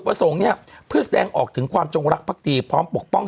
ประสงค์เนี่ยเพื่อแสดงออกถึงความจงรักภักดีพร้อมปกป้อง